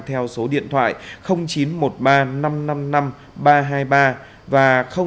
theo số điện thoại chín trăm một mươi ba năm trăm năm mươi năm ba trăm hai mươi ba và sáu mươi chín hai trăm ba mươi bốn một nghìn bốn mươi một